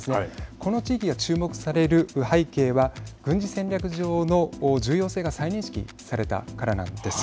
この地域が注目される背景は軍事戦略上の重要性が再認識されたからなんです。